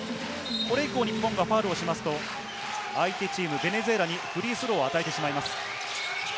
これ以降、日本がファウルをしますと、相手チーム、ベネズエラにフリースローを与えてしまいます。